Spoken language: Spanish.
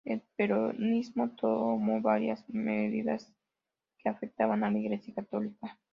El peronismo tomó varias medidas que afectaban a la Iglesia Católica.